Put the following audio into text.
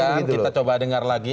kita coba dengar lagi